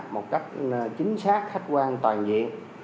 một cách chính xác khách quan toàn diện